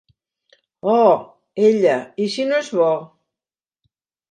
Oh, Ella, i si no és bo!